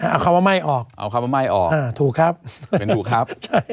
เอาคำว่าไม่ออกถูกครับเป็นถูกครับ